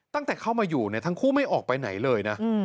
ตั้งแต่เข้ามาอยู่ทั้งคู่ไม่ออกไปไหนเลยนะ